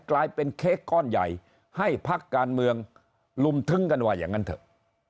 กลายเป็นเค้กก้อนใหญ่ให้พักการเมืองลุมทึ้งกันว่าอย่างนั้นเถอะ